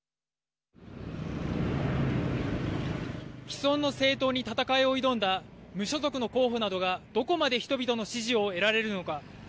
既存の政党に戦いを挑んだ無所属の候補などがどこまで人々の支持を得られるのか。